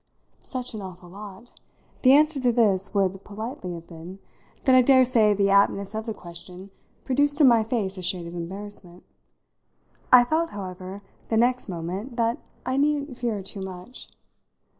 Such an awful lot, the answer to this would politely have been, that I daresay the aptness of the question produced in my face a shade of embarrassment. I felt, however, the next moment that I needn't fear too much.